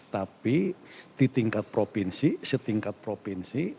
tapi di tingkat provinsi setingkat provinsi